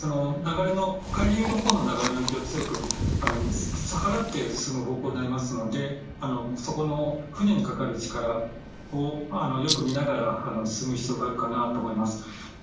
海流のほうの流れの影響に強く逆らって進む方向になりますので船にかかる力をよく見ながら進む必要があるかなと思います。